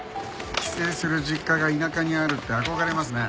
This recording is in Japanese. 帰省する実家が田舎にあるって憧れますね。